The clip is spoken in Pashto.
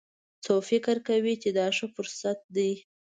څوک فکر کوي چې دا ښه فرصت ده